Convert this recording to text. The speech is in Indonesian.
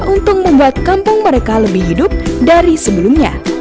untuk membuat kampung mereka lebih hidup dari sebelumnya